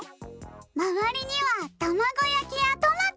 まわりにはたまごやきやトマト！